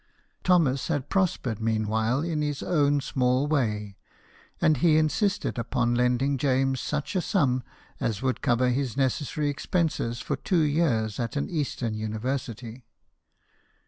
Thomas had prospered mean while in his own small way, and he insisted upon lending James such a sum as would cover his necessary expenses for two years at an eastern university.